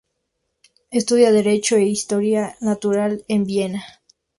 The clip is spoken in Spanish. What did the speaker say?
Estudia derecho e historia natural en Viena.